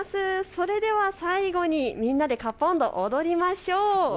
それでは最後にみんなで河童音頭を踊りましょう。